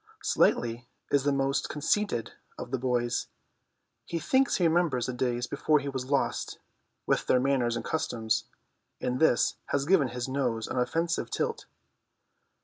Slightly is the most conceited of the boys. He thinks he remembers the days before he was lost, with their manners and customs, and this has given his nose an offensive tilt.